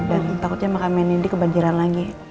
dan takutnya makam menindi kebanjiran lagi